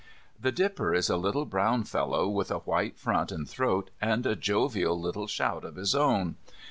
The dipper is a little brown fellow, with a white front and throat, and a jovial little shout of his own.